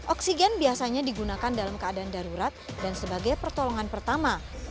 oksigen biasanya digunakan dalam keadaan darurat dan sebagai pertolongan pertama